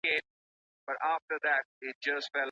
هغه کسان چي ډېري هڅي کوي تل له نورو مخکي وي.